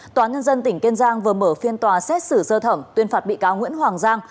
tòa nhân dân tỉnh kiên giang vừa mở phiên tòa xét xử sơ thẩm tuyên phạt bị cáo nguyễn hoàng giang